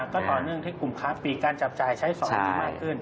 ก็ต่อเนื่องที่กลุ่มค้าปีกการจับจ่ายใช้สอยที่มากขึ้น